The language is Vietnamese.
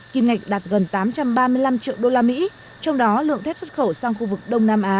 kim ngạch đạt gần tám trăm ba mươi năm triệu usd trong đó lượng thép xuất khẩu sang khu vực đông nam á